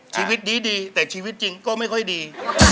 ชีวิตดีแต่ชีวิตจริงก็ไม่ค่อยดี